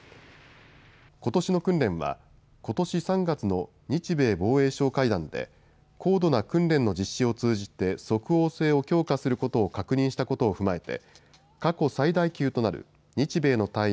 ことしの訓練はことし３月の日米防衛相会談で高度な訓練の実施を通じて即応性を強化することを確認したことを踏まえて過去最大級となる日米の隊員